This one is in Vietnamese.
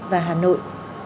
và hà nội